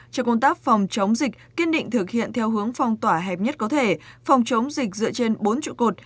cho công tác phòng chống dịch kiên định thực hiện theo hướng phong tỏa hẹp nhất có thể phòng chống dịch dựa trên bốn trụ cột